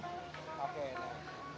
ada dari pak pak juga